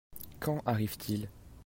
Quand arrive-t-il ?